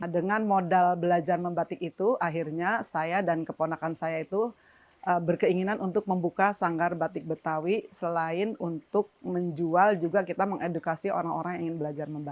dengan modal belajar membatik itu akhirnya saya dan keponakan saya itu berkeinginan untuk membuka sanggar batik betawi selain untuk menjual juga kita mengedukasi orang orang yang ingin belajar membatik